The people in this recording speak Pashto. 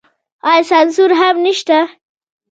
آیا سانسور هم نشته؟